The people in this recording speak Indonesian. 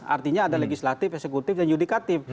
artinya ada legislatif eksekutif dan yudikatif